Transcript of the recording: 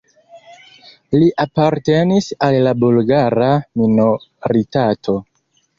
Li apartenis al la bulgara minoritato.